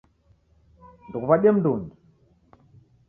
Ndukuw'adie mndungi